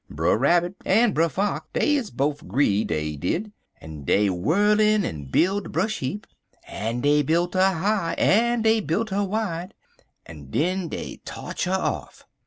Brer Rabbit en Brer Fox dey is bofe 'gree, dey did, en dey whirl in en b'il' de breshheap, en dey b'il' her high en dey b'il' her wide, en den dey totch her off.